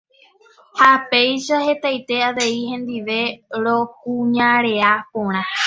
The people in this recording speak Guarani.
ha péicha hetaite avei hendive rokuñarea porã.